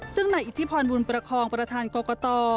ซึ่งนายอิทธิพรบุญประคองประธานกรกต